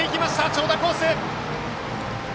長打コース！